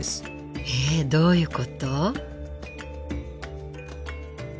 えどういうこと？